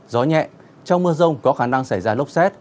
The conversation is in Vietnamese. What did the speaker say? gió nhẹ trong mưa rông có khả năng xảy ra lốc xét